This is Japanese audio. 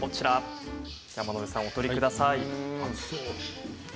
山野辺さん、お取りください。